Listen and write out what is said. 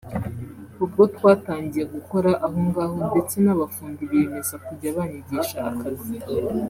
ubwo twatangiye gukora aho ngaho ndetse n’abafundi biyemeza kujya banyigisha akazi